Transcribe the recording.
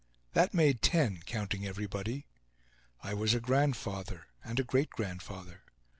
That made ten, counting everybody. I was a grandfather and a great grandfather.